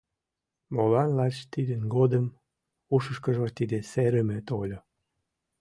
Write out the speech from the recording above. Молан лач тидын годым ушышкыжо тиде серыме тольо?..